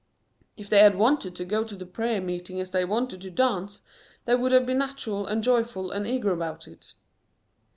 If they had wanted to go to the prayer meeting as they wanted to dance, they would have been natural and joyful and eager about it.